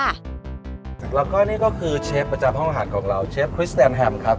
แล้วก็นี่ก็คือเชฟประจำห้องอาหารของเราเชฟคริสแตนแฮมครับ